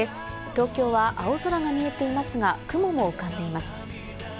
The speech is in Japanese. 東京は青空が見えていますが、雲も浮かんでいます。